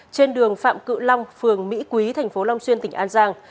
trên đường phạm cự long phường mỹ quý tp long xuyên tỉnh an giang